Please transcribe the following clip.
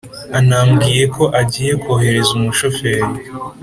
anambwiye ko agiye kohereza umushofer